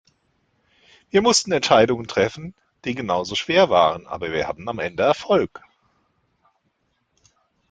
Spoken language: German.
Wir mussten Entscheidungen treffen, die genauso schwer waren, aber wir hatten am Ende Erfolg.